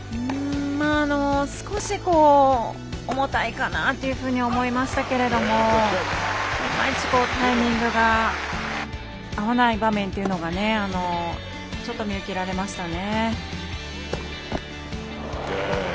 少し重たいかなというふうに思いましたけどもいまいち、タイミングが合わない場面というのがちょっと見受けられましたね。